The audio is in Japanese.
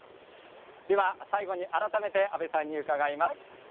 最後に改めて阿部さんに伺います。